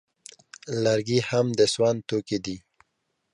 لرګي هم د سون توکي دي